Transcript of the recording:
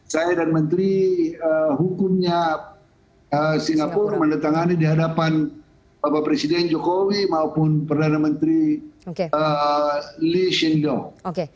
saya dan menteri hukumnya singapura menandatangani di hadapan bapak presiden jokowi maupun perdana menteri lee hsindo